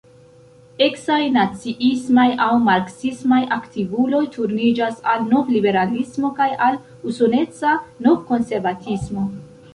Eksaj naciismaj aŭ marksismaj aktivuloj turniĝis al novliberalismo kaj al usoneca novkonservatismo.